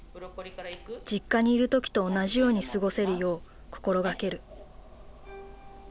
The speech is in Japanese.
実家にいる時と同じように過ごせるよう心掛ける。